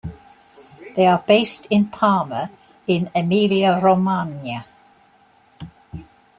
They are based in Parma in Emilia-Romagna.